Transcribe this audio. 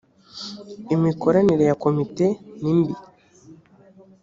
imikoranire ya komite nimbi.